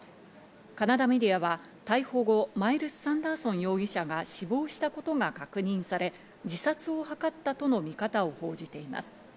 カナダメディアは逮捕後、マイルス・サンダーソン容疑者が死亡したことが確認され、自殺を図ったとの見方を報じています。